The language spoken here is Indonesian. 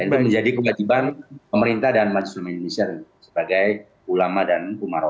itu menjadi kewajiban pemerintah dan majelis ulama indonesia sebagai ulama dan umaro